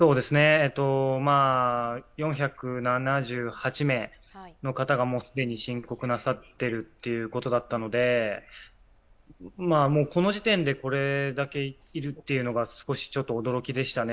４７８名の方が既に申告なさってるということだったので、この時点でこれだけいるというのが少し驚きでしたね。